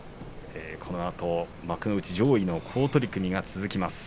このあと、幕内上位の好取組が続きます。